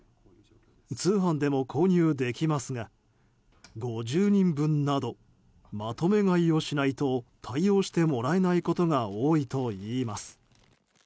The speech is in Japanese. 通販でも購入できますが５０人分などまとめ買いをしないと対応してもらえないことが多いといいます。